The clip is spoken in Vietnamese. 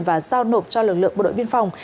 và giao nộp cho lực lượng bộ đội biên phòng